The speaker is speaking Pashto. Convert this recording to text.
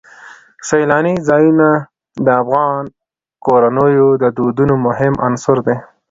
سیلانی ځایونه د افغان کورنیو د دودونو مهم عنصر دی.